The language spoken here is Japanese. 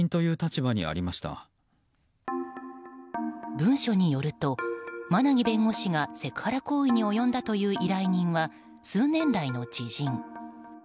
文書によると、馬奈木弁護士がセクハラ行為に及んだという依頼人は、数年来の知人。